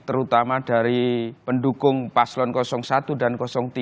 terutama dari pendukung paslon satu dan tiga